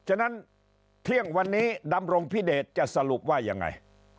ฉะนั้นเที่ยงวันนี้ดำรงพิเดชจะสรุปว่ายังไง